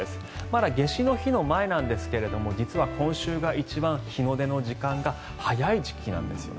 まだ夏至の日の前なんですが実は今週が一番日の出の時間が早い時期なんです。